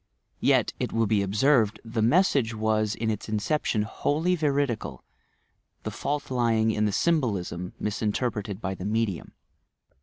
Yet, it will be ob •erwd, the nkeseage was in its inception wholly veridical the f»ah lying in the symbolism, minnterpreted by the medium.